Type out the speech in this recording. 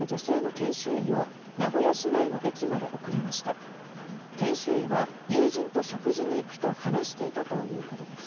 研修医は、友人と食事に行くと話していたということです。